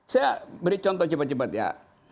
saya beri contoh cepat cepat ya